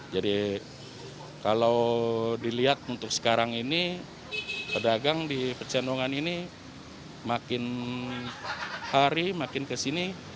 jadi kalau dilihat untuk sekarang ini pedagang di pecenongan ini makin hari makin kesini